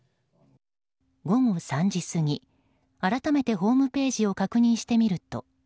午後３時過ぎ、改めてホームページを確認してみると。